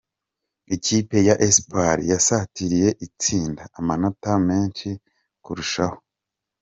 Ikipe ya Espoir yasatiriye itsinda amanota menshi kurushaho.